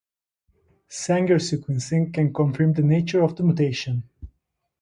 Sanger sequencing can confirm the nature of the mutation.